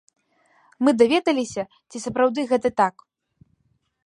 Мы даведаліся, ці сапраўды гэта так.